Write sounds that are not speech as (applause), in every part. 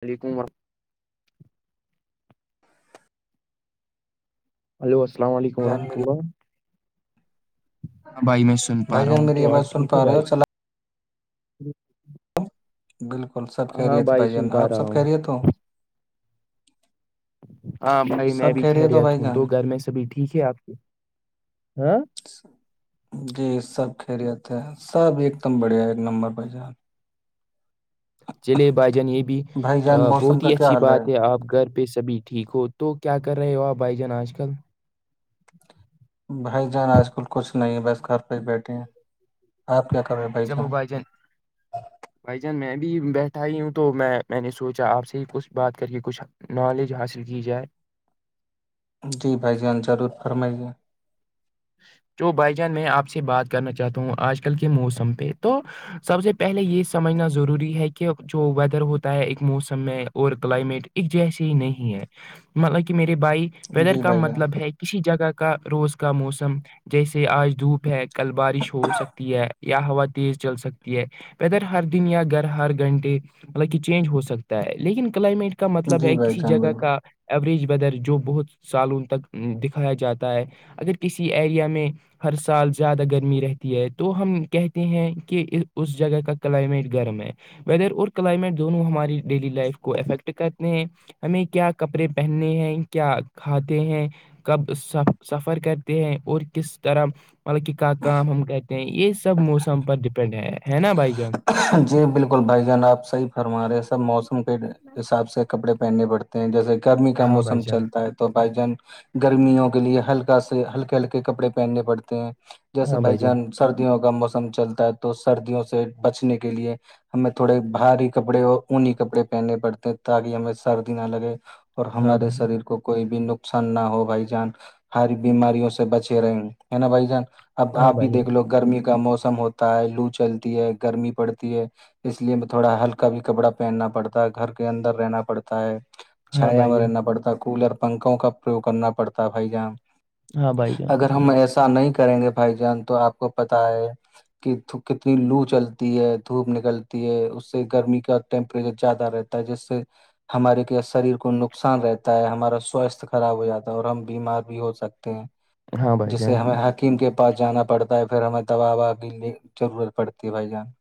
ولیکم ورم ہیلو السلام علیکم جان ورحمۃ اللہ ہاں بھائی میں سن پا بھائی رہا جان ہوں میری تو اور آواز سن ٹھیک ہو پا رہے بھائی چلا بالکل سب ہاں خیریت ہے بھائی سن جان پا آپ سب رہا کہہ ہوں رہیے تو ہاں بھائی میں سب بھی ہو خیریت بھائی ہوں جان تو گھر میں سبھی ٹھیک ہے آپ کے ہاں جی سب خیریت ہے سب ایک دم بڑھیا ایک نمبر پہ جان چلے بھائی جان یہ بھی بھائی جان موسم بہت کا ہی کیا اچھی حال بات ہے آپ گھر پہ سبھی ٹھیک ہو تو کیا کر رہے ہو آپ بھائی جان آج کل بھائی جان آج کل کچھ نہیں ہے بس گھر پہ ہی بیٹھے ہیں آپ کیا کر رہے بھائی جان بھائی جان میں بھی بیٹھا ہی ہوں تو میں میں نے سوچا آپ سے ہی کچھ بات کر کے کچھ نالج حاصل کی جائے جی بھائی جان ضرور فرمائیے جو بھائی جان میں آپ سے بات کرنا چاہتا ہوں آج کل کے موسم پہ تو سب سے پہلے یہ سمجھنا ضروری ہے کہ جو ویدر ہوتا ہے ایک موسم میں اور کلائمیٹ جیسی ہی نہیں ہے مطلب کہ میرے بھائی ویدر جی کا بھائی جان مطلب ہے کسی جگہ کا روز کا موسم جیسے آج دھوپ ہے کل بارش ہو سکتی ہے یا ہوا تیز چل سکتی ہے ویدر ہر دن یا گھر ہر گھنٹے مطلب کہ چینج ہو سکتا ہے لیکن کلائمیٹ کا مطلب جی ہے بھائی کسی جان جگہ بالکل کا ایوریج بدر جو بہت سالوں تک دکھایا جاتا ہے اگر کسی ایریا میں ہر سال زیادہ گرمی رہتی ہے تو ہم کہتے ہیں کہ اس جگہ کا کلائمیٹ گرم ہے ویدر اور کلائمیٹ دونوں ہماری ڈیلی لائف کو افیکٹ کرتے ہیں ہمیں کیا کپڑے پہننے ہیں کیا کھاتے ہیں کب س سفر کر ہیں اور کس طرح مطلب کہ کا کام ہم کر (unintelligible) یہ سب موسم پر ڈیپینڈ ہے ہے نا بھائی جان جی بالکل بھائی جان آپ صحیح فرما رہے ہیں سب موسم کے حساب سے کپڑے پہننے پڑتے جیسے گرمی کا ہاں بھائی موسم جان چلتا ہے تو بھائی جان گرمیوں کے لیے ہلکا سے ہلک ہلکے کپڑے پہننے پڑتے ہیں جیسے بھائی جان سردیوں کا موسم چلتا ہے تو سردیوں سے بچنے کے لیے ہمیں تھوڑے بھاری کپڑے اور اونی کپڑے پہننے پڑتے ہیں تاکہ ہمیں سردی نہ لگے اور ہاں ہمارے بھائی جان شریر کو کوئی بھی نقصان نہ ہو بھائی جان ہاری بیماریوں سے بچے رہے ہے نا بھائی جان اب ہاں آپ ہی بھائی جان دیکھ لو گرمی کا موسم ہوتا ہے لو چلتی ہے گرمی پڑتی ہے اس لیے تھوڑا ہلکا بھی کپڑا پہننا پڑتا ہے گھر کے اندر رہنا پڑتا ہے ہاں چھایا بھائی میں جان رہنا پڑتا کولر پنکھوں کا پروگ کرنا پڑتا ہے بھائی جان ہاں بھائی جان اگر ہم ایسا ا نہیں کریں گے بھائی جان تو آپ کو پت ہے کہ کتنی لو چل (unintelligible) تی ہے دھوپ نکلتی ہے اس سے گرمی کا ٹیمپریچر زیادہ رہتا ہے جس سے ہمارے شریر کو نقصان رہتا ہے ہمارا سواستھ خراب ہو جاتا ہے اور ہم بیمار بھی ہو سکتے ہاں بھائی جان جیسے ہمیں ہاتھ حکیم کے پاس جانا پڑتا ہے پھر ہمیں دباا کی لی ضرورت پڑتی ہے بھائی جان (unintelligible)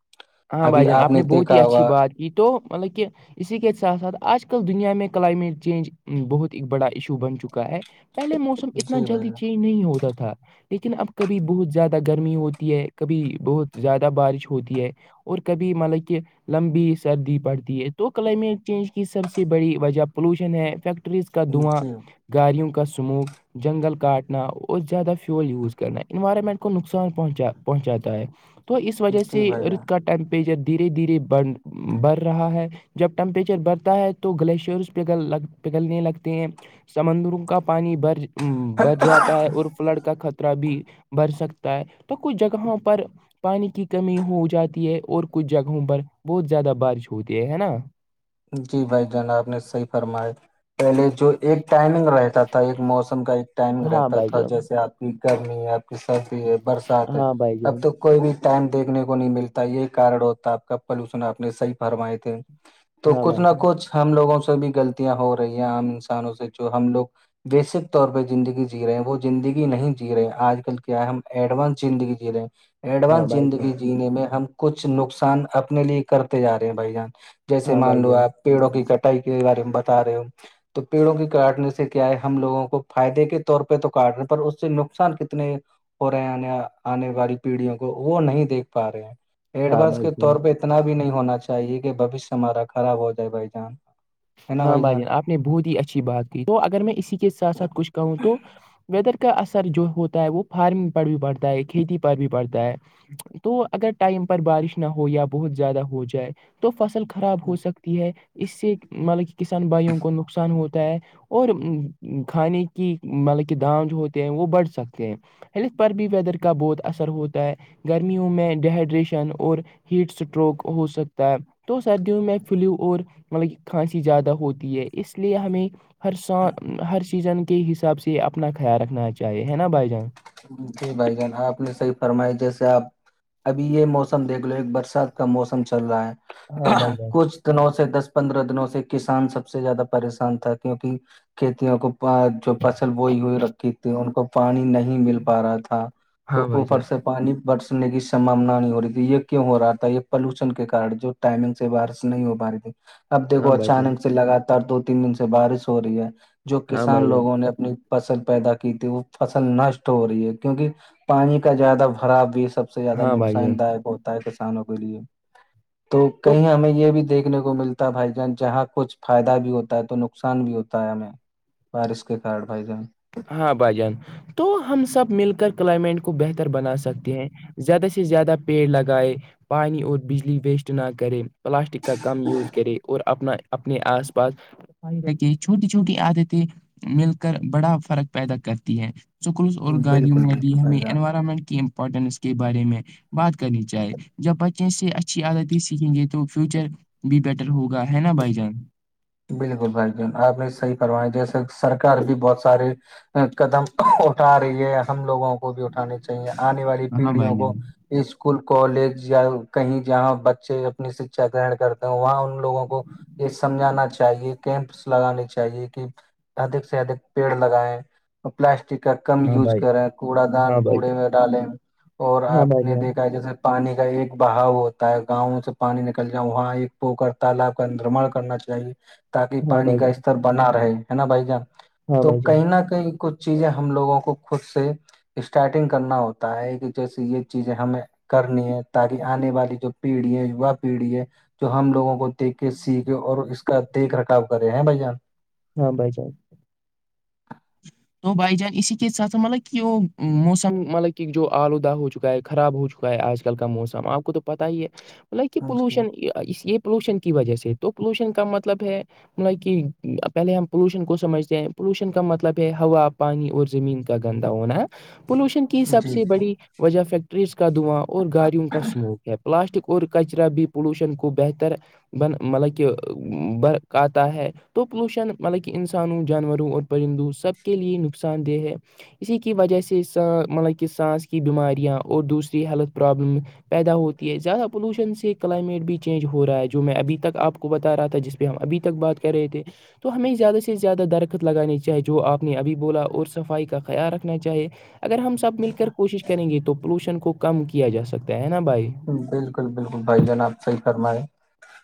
ہاں بھائی ابھی جان آپ نے بہت ہی دیکھا اچھی ہوگا بات کی تو مطلب کہ اسی کے ساتھ ساتھ آج کل دنیا میں کلائمیٹ چینج بہت ایک بڑا ایشو بن چکا ہے پہلے موسم اتنا جی بھائی جلدی جان چینج نہیں ہوتا تھا لیکن اب کبھی بہت زیادہ گرمی ہوتی ہے کبھی بہت زیادہ بارش ہوتی ہے اور کبھی مطلب کہ لمبی سردی پڑتی ہے تو کلائمیٹ چینج کی سب سے بڑی وجہ پولوشن ہے فیکٹر فیکٹریز کا دعااں جی گاریوں کا سموک جنگل کاٹنا اور زیادہ فیول یوز کرنا انوائرمنٹ کو نقصان پہنچا پہنچاتا ہے تو اس وجہ جی سے بھائی اردھ کا جان ٹیمپریچر دھیرے دھیرے بن بڑھ رہا ہے (unintelligible) جب ٹمپریچر بڑتا ہے تو گلیشیرس پگل پگلنے لگتے ہیں سمندروں کا پانی بر بر جاتا ہے اور فلڈ کا خطرہ بھی بڑھ سکتا ہے تو کچھ جگہوں پر پانی کی کمی ہو جاتی ہے اور کچھ جگہوں پر بہت زیادہ بارش ہوتی ہے ہے نا جی بھائی جناب نے صحیح فرمایا پہلے جو ایک ٹائمنگ رہتا تھا ایک موسم کا ایک ٹائم ہاں رہتا بھائی تھا جان جیسے آپ کی گرمی ہے آپ کی سردی ہے برسات ہے ہاں بھائی اب جان تو کوئی بھی ٹائم دیکھنے کو نہیں ملتا یہ کارن ہوتا آپ کا پلوشن آپ نے صحیح فرمائے تھے تو ہاں کچھ بھائی نہ جان کچھ ہم لوگوں سے بھی غلطیاں ہو رہی ہیں عام انسانوں سے جو ہم لوگ بیسک طور پہ زندگی جی رہے ہیں وہ زندگی نہیں جی رہے آج کل کیا ہم ایڈانس زندگی جی جے ہاں ایڈوانس بھائی جان زندگی جینے میں ہم کچھ نقصان اپنے لیے کرتے جا رہے ہیں بھ جان جیسے ہاں مان بھائی لو جان آپ پیڑوں کی کٹائی کے بارے میں بتا رہے ہو تو پیڑوں کی کاٹنے سے کیا ہے ہم لگوں کو فائدے کے طور پہ تو کاٹ رہ ہیں پر اس سے نقصان کتنے ہو رہے آنے آنے والی پیڑھیوں کو وہ نہیں دیکھ پا رہے ہیں ہاں ایڈوانس بھائی کے جان طور پہ اتنا بھی نہیں ہونا چاہیے کہ بوشیہ ہمارا خراب ہو جائے بھائی جان ہاں بھائی جان آپ نے بہت ہی اچھی بات کی تو اگر میں اسی کے ساتھ ساتھ کچھ کہوں تو ویدر کا اثر جو ہوتا ہے وہ فارمنگ پر بھی پڑتا ہے کھیتی پر بھی پڑتا ہے تو اگر ٹائم پر بارش نہ ہو یا بہت زیادہ ہو جائے تو فصل خراب ہو سکتی ہے اس سے مطلب کہ کسان بھائیوں کو نقصان ہوتا ہے اور کھانے کی مطلب کہ دام جو ہوتے ہیں وہ بڑھ سکتے ہیں ہیلتھ پر بھی ویدر کا بہت اثر ہوتا ہے گرمیوں میں ڈیہائیڈریشن اور ہیٹ اسٹروک ہو سکتا ہے تو سردی ہ میں فلیو اور مطلب کھانسی زیادہ ہوتی ہے اس لیے ہمیں ہر س ہر سیزن کے حساب سے اپنا خیال رکھنا چاہے نا بھائی جان جی بھائی جان آپ نے صحی فرمائی جیسے آپ ابھی یہ موسم دیکھ لو ایک برسات کا موسم چل رہا ہاں ہے بھائی جان کچھ دنوں سے دس پندرہ دنوں سے کسان سب سے زیادہ پریشان تھا کیونکہ کتی آ کو پ جو فصل بوئی ہوئی رکھی تھی ان کو پانی نہیں مل پا رہا تھا تو ہاں بھائی اوپر جان سے پانی برسنے کی سمبانا نہیں ہو رہی تھی یہ کیوں ہو رہا تھا یہ پلوشن کےارن جو ٹائمنگ سے بارش نہیں ہو پا رہی تھی اب دیکھو ہاں بھائی جان اچانک سے لگاتار دو تین دن سے بارش ہو رہی ہے جو ہاں بھائی کسان جان لوگوں نے اپنی فصل پیدا کی تھی وہ فصل نشٹ ہو رہی ہے کیونکہ پانی کا زیادہ بھرا بھی سب سب سے زیادہ ہاں بھائی جان نقصان داک ہوتا ہے کسانوں کے لیے تو کہیں ہمیں یہ بھی دیکھنے کو ملتا بھائی جان جہاں کچھ فائدہ بھی ہوتا ہے تو نقصان بھی ہوتا ہے ہمیں بارش کے کار بھائی جان ہاں بھائی جان تو ہم سب مل کر کلائمیٹ کو بہتر بنا سکتے ہیں زیادہ سے زیادہ پیڑ لگائے پانی اور بجلی ویسٹ نہ کرے پلاسٹک کا کم یوز کرے اور اپنا اپنے آس پاس ائی رکے چھوٹی چھوٹی عادتیں مل کر بڑا فرق پیدا کرتیتی سکول اور گاڑیوں بالکل میں بھی بالکل بھائی ہمیں جان انوائرمنٹ کے پٹنس کے بارے میں بات کرنی چاہی جب ب اچے سے اچھی عادتیں سیکھیں گے تو فیوچر بھی بیٹر ہوگا ہے نا بھائی جان بالکل بھائی ج آپ نے صحی کروا ہے جیسے سرار بھی بہت سارے قدم اٹھا رہی ہے ہم لوگوں کو بھی اٹھانی چاہیے آنے والی ہاں پیڑھیوں بھائی کو جان اسکول کالج یا کہیں جہاں بچے اپنی شکچھا گرہن کرتے ہیں وہاں ان لوگوں کو یہ سمجانان چ چاہیے کیمپس لگانے چاہیے کہ ادک سے ادھک پیڑ لگیں اور پلاسٹک کا کم ہاں یوز بھائی کریں کوڑا دان ہاں بھائی کوڑے جان میں ڈالیں اور ہاں آپ بھائی نے جان دیکھا ہے جیسے پانی کا ایک بہاؤ ہوتا ہے گاؤں سے پانی نکل جاؤ وہاں ایک پوکر تالاب کا نرما کرنا چاہیے تاکہ ہاں پانی بھائی کا جان استر بنا رہے ہے نا بھائی جان ہاں تو بھائی جان کہیں نہ کہیں کئی کچھ چیزیں ہم لوگوں کو خود سے اسٹارٹنگ کرنا ہوتا ہے کہ جیسے یہ چیزیں ہمیں کرنی ہے تاکہ آنے والی جو پیڑھی ہے وا پیڑھی ہے جو ہم لوگوں کو دیک کے سیکھے اور اس کا دیکھ رکھاؤ کرے ہیں بھائی جان ہاں بائی جان تو بھائی جان اسی کے ساتھ س مطلب کہ موسم مطلب کہ جو آلودہ ہو چکا ہے خراب ہو چکا ہے ا ہے آج کل کا موسم آپ کو تو پتا ہی ہے مطلب کہ جی پولوشن اس یہ پولوشن کی وجہ سے تو پولوشن کا مطلب ہے مطلب کہ پہلے ہم پولوشن کو سمجھتے ہیں پولوشن کا مطلب پہ ہوا پانی اور زمین کا گندا ہونا ہے پولوشن کی سب جی سے بڑی وجہ فیکٹریز کا دعاں اور گاڑیوں کا اسموک ہے پلاسٹک اور کچرا بھی پولوشن کو بہتر بن مطلب کہ بر آتا ہے تو پلوشن مطلب کہ انسانوں جانوروں اور پرندوں سب کے لیے نقصان دہ ہے اسی کی وجہ سے مطلب کہ سانس کی بیماریاں اور دوسری ہیلتھ پرابلم پیدا ہوتی ہے زیادہ پولوشن سے کلائمیٹ بھی چینج ہو رہا ہے جو میں ابھی تک آپ کو بتا رہا تھا جس پہ ہم ابھی تک بات کر رہے تھے تو ہمیں زیادہ سے زیادہ درخت لگانانی چاہیے جو آپ نے ابھی بولا اور صفائی کا خیال رکھنا چاہیے اگر ہم سب مل کر کوشش کریں گے تو پولوشن کو کم کیا جا سکتا ہے نا بھائی بالکل بالکل بھائی جان آپ صحی فرمے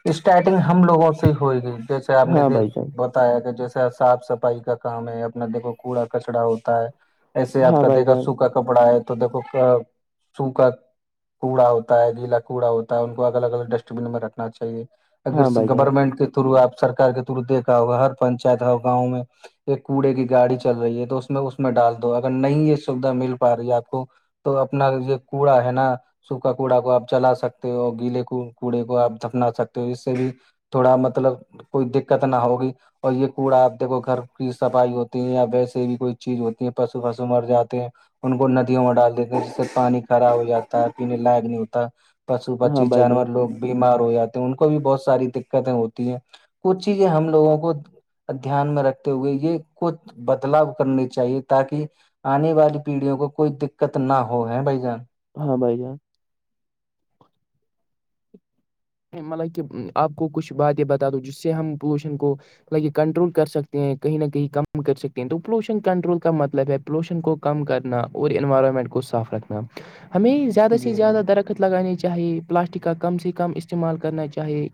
اسٹارٹنگ ہم لوگوں سے ہوئے گی آپ نے ہاں دیک بھائی جان ب ہوتا ہے کہ جیسے صاف صفائی کا کام ہے اپنا دیکو کوڑا کچڑا ہوتا ہے ایسے آپ ہاں کا بھائی دیکھا جان سوکھا کپڑا ہے تو دیکھو سوکھا کوڑا ہوتا ہے گیلا کوڑا ہوتا ہے ان کو الگ الگ ڈسٹ بین میں رکھنا چاہیے اگر ہاں بھائی جان گورنمنٹ کے تھرو آپ سرار کے تھرو دیکا ہوگا ہر پنچایت ہو گاؤں میں ایک کوڑے کی گاڑی چل رہی ہے تو اس میں اس میں ڈال دو اگر نہیں یہ سویدھا مل پا رہی ہے آپ کو تو اپنا یہ کوڑا ہے نا س کا کوڑا کو آپ جلا سکتے ہو اور گیلے کو کوڑے کو آپ دفنا سکتے ہو اس سے بھی تھوڑا مطلب کوئی دقت نہ ہوگی اور یہ کوڑا آپ دیکھو گھر کی صفائی ہوتی ہے یا ویسے بھی کوئی چیز ہوتی ہے پسو پسو مر جاتے ہیں ان کو ندیوں میں ڈال دیتے ہیں جس سے پانی خراب ہو جاتا ہے پینے لائق نہیں ہوتا پشو ہاں پچی بھائی جان جانور لوگ بیمار ہو جاتے ہیں ان کو بھی بہت ساری دقتیں ہوتی ہیں کچھ چیزیں ہم لوگوں کو دھیان میں رکھتے ہوئے یہ کچھ بدلاؤ کرنی چاہیے تاکہ آنے والی پیڑھیوں کو کوئی دقت نہ ہو ہے بھائی جان ہاں بھائی جان مطلب کہ آپ کو کچھ باتیں بتا دووں جس سے ہم پولوشن کو یہ کنٹرول کر سکتے ہیں کہیں نہ کہیں کم کر سکتے ہیں تو پولوشن کنٹرول کا مطلب ہے پولوشن کو کم کرنا اور انوائرمنٹ کو صاف رکھنا ہمیں زیادہ س سے جی جی زیادہ درخت لگانے چاہے پلاسٹک کا کم س سے کم استعمال کرنا چاہیے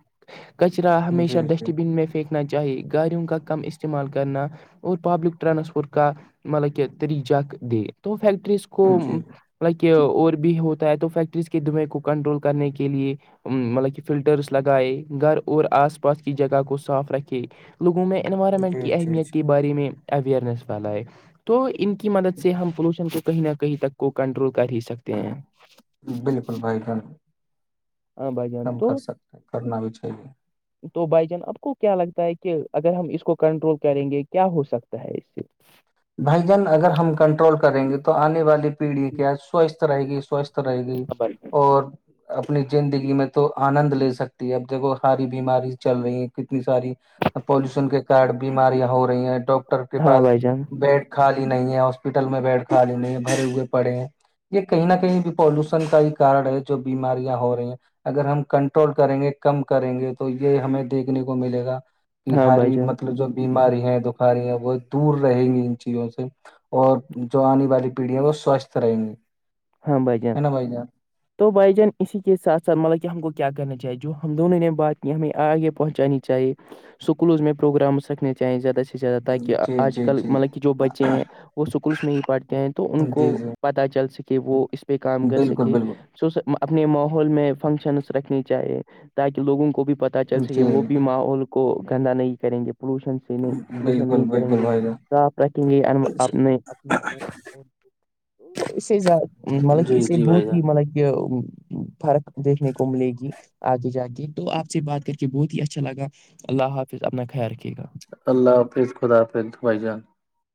کچرا جی ہمیشہ جی ڈسٹ بین میں پھینکنا چاہیے گااریوں کا کم استعمال کرنا اور پبلک ٹرانسپورٹ کا مطلب کہ طرجہ دے تو فیکٹریز کو جی لائک اور بھی ہوتا ہے تو فیکٹریز کے دوائی کو کنٹرول کرنے کے لیے ا مطل فلٹرس لگائے گھر اور آس پاس کی جگہ کو صاف رکھے لوگوں میں انوائرمنٹ جی کی جی اہمیت جی کے بارے میں اوئرنیس پھیلائے تو ان کی مدد سے ہم پولوشن کو کہیں نہ کہیں تک کو کنٹرول کر ہی سکتے ہیں بالکل بھائی جان ہاں بھائی جان کم تو کر سکتے کرنا بھی چاہیے تو بھائی جان آپ کو کیا لگتا ہے کہ اگر ہم اس کو کنٹرول کریں گے کیا ہو سکتا ہے اس سے بھائی جان اگر ہم کنٹرول کریں گے تو آنے والی پیڑھی سے کیا سوستھ رہے گئی سوستھ رہ گئی خبر اور اپنی زندگی میں تو آنند لے سکتی ہے اب جگ ساری بیماری چل رہی ہے کتنی ساری پولوشن کے کارڈ بیماریاں ہو رہی ہیں ڈاکٹر کے ہاں پاس بھائی جان بیڈ خالی نہیں ہے ہاسپٹل میں بیڈ خالی نہیں ہے بھرے ہوئے پڑے ہیں یہ کہیں نہ کہیں بھی پولوشن کا ہی کارن ہے جو بیماریاں ہو رہی ہیں اگر ہم کنٹرول کریں گے کم کریں گے تو یہ ہمیں دیکھنے کو ملے گا کی ہاں بھائی ہاری جان مطلب جو بیماری ہیں دخاری ہیں وہ دور رہیں گی چیزوں سے اور جو آنے والی پیڑھی ہے وہ سوستھ رہیں گی ہاں بائی جان ہے نا بھائی جان تو بائی جان اسی کے ساتھ ساتھ مطلب کہ ہم کو کیا کرنا چاہیے جو ہم دونوں نے بات کی ہمیں آگے پہنچانی چاہیے سکولز میں پروگرام سکھنے چاہیں زیادہچ سے زیادہ تاکہ جی آج جی کل جی مطلب کہ جو بچے ہیں وہ اسکولس میں ہی پڑھتے ہیں تو ان کو جی جی پتہ چل سکے وہ اس پہ کام کر بالکل سکے بالکل اپنے ماحول میں فنکشنس رکھنی چاہیے تاکہ لوگوں کو بھی پ پ چل سکے جی وہ بھی ماحول کو گندا نہیں کریں گے پولوشن سے نہیں پولوشن نہیں بالکل کریں بالکل گے بھائی جان صاف رکھیں گے اپنے اپنا اسے زیاد مطلب کہ جی اسے جی بھائی بہت ہی جان مطلب کہ فرق دیکھنے کو ملے گی آگے جا کے تو آپ سے بات کر کے بہت ہی اچھا لگا اللہ حافظ اپنا خیال رکھیے گا اللہ حافظ خدافظ بھائی جان